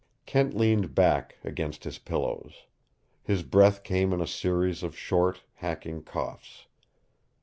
Kent leaned back against his pillows. His breath came in a series of short, hacking coughs.